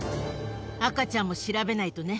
赤ちゃんも調べないとね。